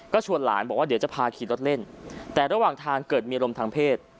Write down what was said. ก็ชวนหลานบอกว่าเดี๋ยวจะพาขี่รถเล่นแต่ระหว่างทางเกิดมีอารมณ์ทางเพศ